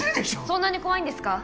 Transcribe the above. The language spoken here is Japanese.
そんなに怖いんですか？